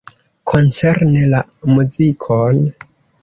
Koncerne la muzikon.